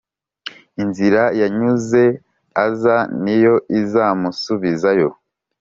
Inzira yanyuze aza, ni yo izamusubizayo,